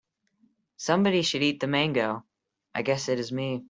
Somebody should eat the mango, I guess it is me.